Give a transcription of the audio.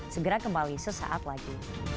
segera kembali sesaat lagi